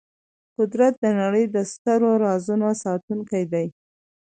قدرت د نړۍ د سترو رازونو ساتونکی دی.